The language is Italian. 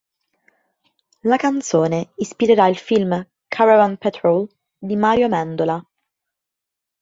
La canzone ispirerà il film "Caravan petrol" di Mario Amendola.